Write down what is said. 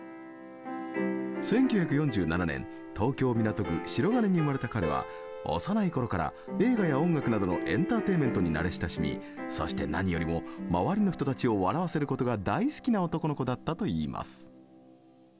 １９４７年東京・港区白金に生まれた彼は幼い頃から映画や音楽などのエンターテインメントに慣れ親しみそして何よりも周りの人たちを笑わせることが大好きな男の子だったといいます。